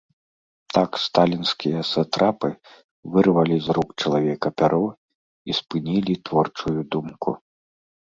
Так сталінскія сатрапы вырвалі з рук чалавека пяро і спынілі творчую думку.